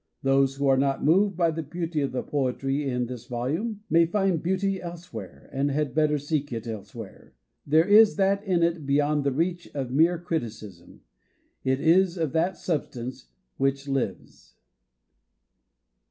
Those who are not moved by the beauty of the poetry in this volume may find beauty elsewhere and had better seek it elsewhere. There is that in it beyond the reach of mere criticism. It is of that substance which lives.